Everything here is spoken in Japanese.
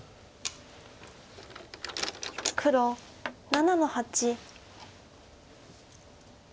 黒７の八。